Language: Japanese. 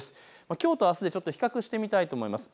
きょうとあすで比較してみたいと思います。